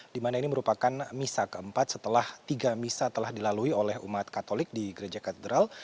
di mana ini merupakan misa keempat setelah tiga misa telah dilalui oleh umat katolik di gereja katedral